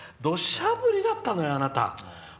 土砂降りだったのよ、あなた。